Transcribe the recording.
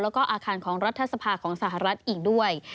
แล้วก็อาคารของรัฐสภาของสหรัฐอีกด้วย